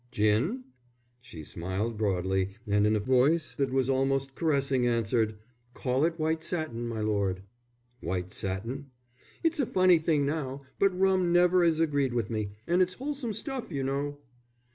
"Gin?" She smiled broadly and in a voice that was almost caressing, answered: "Call it white satin, my lord." "White satin?" "It's a funny thing now, but rum never 'as agreed with me; an' it's wholesome stuff, you know."